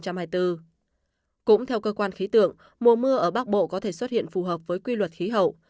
cũng theo cơ quan khí tượng mùa mưa ở bắc bộ có thể xuất hiện phù hợp với quy luật khí hậu